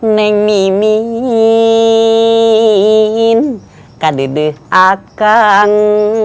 neng mimin kadeh akang